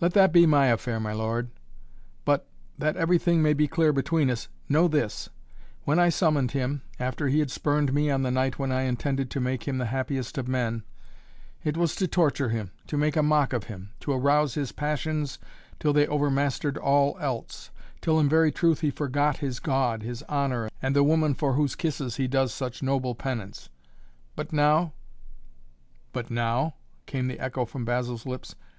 "Let that be my affair, my lord, but that everything may be clear between us know this: when I summoned him, after he had spurned me on the night when I intended to make him the happiest of men, it was to torture him, to make a mock of him, to arouse his passions till they overmastered all else, till in very truth he forgot his God, his honor, and the woman for whose kisses he does such noble penance but now " "But now?" came the echo from Basil's lips.